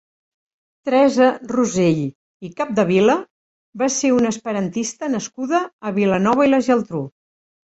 Teresa Rosell i Capdevila va ser una esperantista nascuda a Vilanova i la Geltrú.